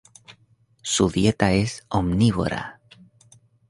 Su dieta es omnívora.